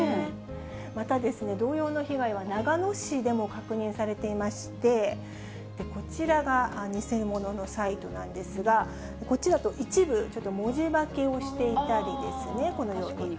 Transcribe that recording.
またですね、同様の被害は長野市でも確認されていまして、こちらが偽物のサイトなんですが、こっちだと、一部文字化けをしていたりですね、このように。